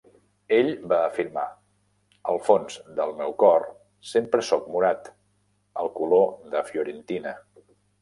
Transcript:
Ell va afirmar: "Al fons del meu cor sempre sóc morat", el color de Fiorentina.